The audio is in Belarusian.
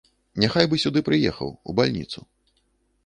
Няхай бы сюды прыехаў, у бальніцу.